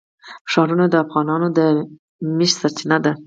ښارونه د افغانانو د معیشت سرچینه ده.